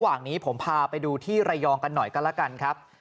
อย่างนี้ผมพาไปดูที่ระยองกันหน่อยก็แล้วกันครับ